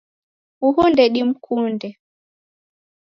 Uhu ndedimkunde.